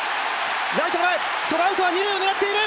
ライト前、トラウトは二塁を狙っている！